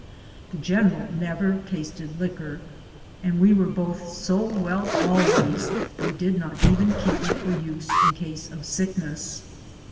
The general never tasted liquor, and we were both so well always we did not even keep it for use in case of sickness.